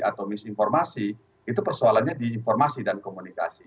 atau misinformasi itu persoalannya di informasi dan komunikasi